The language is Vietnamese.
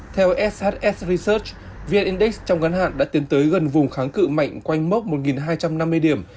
theo shs research vn index trong ngắn hạn đã tiến tới gần vùng kháng cự mạnh quanh mốc một hai trăm năm mươi điểm